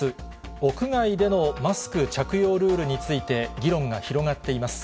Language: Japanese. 屋外でのマスク着用ルールについて議論が広がっています。